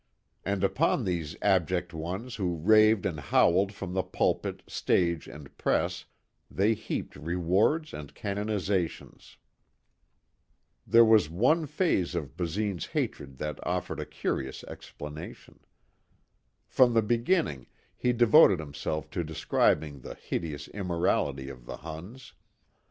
And upon these abject ones who raved and howled from the pulpit, stage and press, they heaped rewards and canonizations. There was one phase of Basine's hatred that offered a curious explanation. From the beginning he devoted himself to describing the hideous immorality of the Huns.